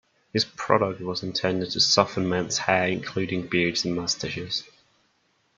His product was intended to soften men's hair, including beards and mustaches.